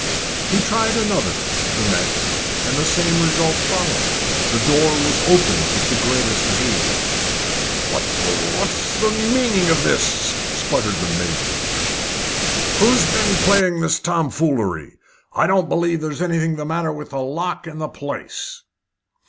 He tried another, the next; the same result followed the door was opened with the greatest of ease. "What's the meaning of this?" spluttered the Major. "Who's been playing this tomfoolery? I don't believe there's anything the matter with a lock in the place."